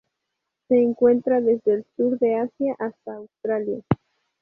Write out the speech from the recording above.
Se encuentra desde el Sur de Asia hasta Australia.